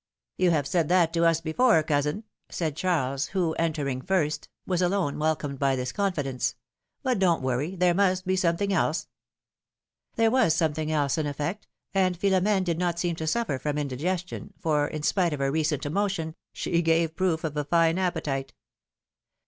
You have said that to us before, cousin," said Charles, who, entering the first, was alone ^welcomed by this confi dence ; but don't worry ! There must be something else." There was something else, in effect, and Philom5ne did not seem to suffer from indigestion, for, in spite of her recent emotion, she gave proof of a fine appetite.